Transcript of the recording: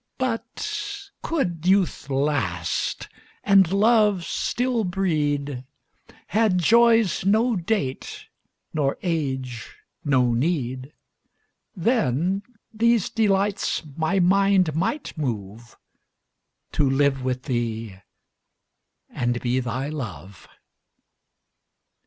But could youth last, and love still breed, Had joys no date, nor age no need, Then these delights my mind might moveTo live with thee and be thy Love.